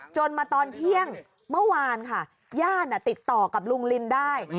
จนมาตอนเที่ยงเมื่อวานค่ะญาติติดต่อกับลุงลินได้